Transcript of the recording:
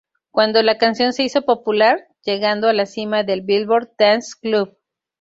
Cuando la canción se hizo popular, llegando a la cima del Billboard Dance Club.